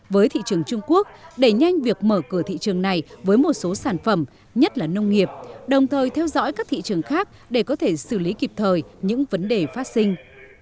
với thị trường trung quốc đẩy nhanh việc mở cửa thị trường này với một số sản phẩm nhất là nông nghiệp đồng thời theo dõi các thị trường khác để có thể xử lý kịp thời những vấn đề phát sinh